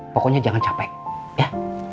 pokoknya jangan capek ya